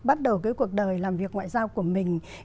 bắt đầu cái cuộc đời làm việc ngoại giao của mình